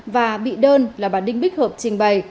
và bị đơn là bà đinh bích hợp trình bày